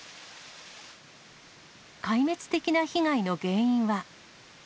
壊滅的な被害の原因は。